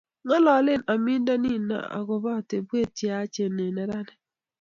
ng'ololen aminde nino akobo atebwek che yaach eng' neranik